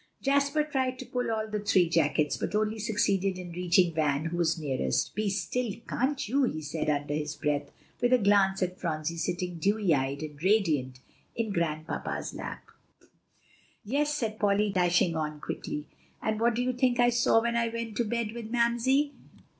Jasper tried to pull all the three jackets, but only succeeded in reaching Van, who was nearest. "Be still, can't you?" he said under his breath, with a glance at Phronsie sitting dewy eyed and radiant in Grandpapa's lap. "Yes," said Polly, dashing on quickly; "and what do you think I saw when I went to bed with Mamsie?"